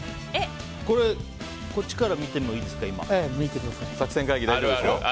これ、こっちから見てもいいですかね、今。